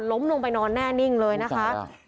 ลงไปนอนแน่นิ่งเลยนะคะ